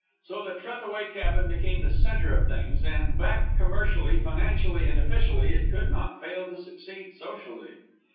So the Trethaway cabin became the centre of things, and, backed commercially, financially, and officially, it could not fail to succeed socially.